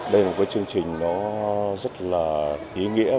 đây là một chương trình rất là ý nghĩa